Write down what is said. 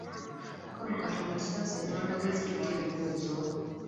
Mukama Katonda tusaasire n'amagezi tuyite ebibuuzo.